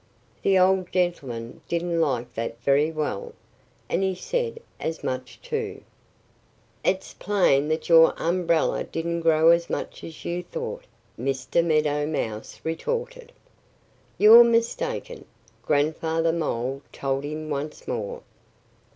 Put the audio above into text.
The old gentleman didn't like that very well; and he said as much, too. "It's plain that your umbrella didn't grow as much as you thought," Mr. Meadow Mouse retorted. "You're mistaken," Grandfather Mole told him once more.